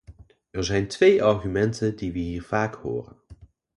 Er zijn twee argumenten die we hier vaak horen.